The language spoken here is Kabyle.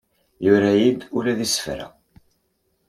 Yura-iyi-d ula d isefra.